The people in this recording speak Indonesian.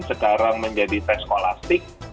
sekarang menjadi tes kolastik